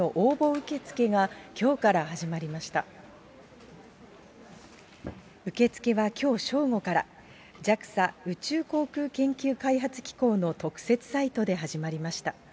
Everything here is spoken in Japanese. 受け付けはきょう正午から、ＪＡＸＡ・宇宙航空研究開発機構の特設サイトで始まりました。